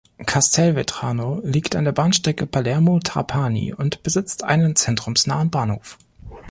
Castelvetrano liegt an der Bahnstrecke Palermo–Trapani und besitzt einen zentrumsnahen Bahnhof.